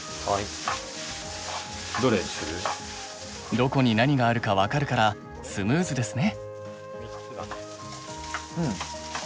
どこに何があるか分かるからスムーズですね。